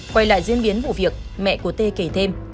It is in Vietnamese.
quay lại diễn biến vụ việc mẹ của tê kể thêm